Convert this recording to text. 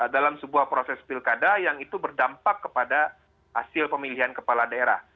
dalam sebuah proses pilkada yang itu berdampak kepada hasil pemilihan kepala daerah